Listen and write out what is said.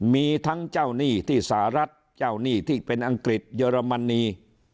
มีทั้งเจ้าหนี้ที่สหรัฐเจ้าหนี้ที่เป็นอังกฤษเยอรมนี